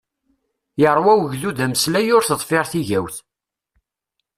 Yeṛwa wegdud ameslay ur teḍfir tigawt.